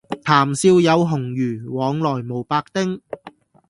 談笑有鴻儒，往來無白丁